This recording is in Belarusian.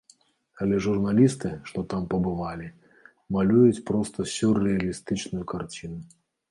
Але журналісты, што там пабывалі, малююць проста сюррэалістычную карціну.